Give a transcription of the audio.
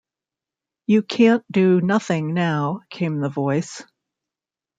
"You can't do nothing now," came the voice.